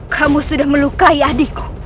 kamu sudah melukai adikku